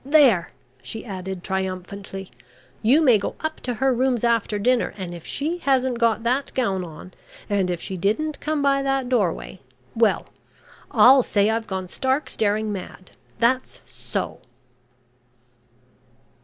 There!" she added triumphantly. "You may go up to her rooms after dinner, and if she hasn't got that gown on, and if she didn't come by that doorway well I'll say I've gone stark staring mad! That's so!"